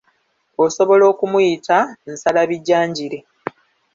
Osobola okumuyita nsalabijanjire.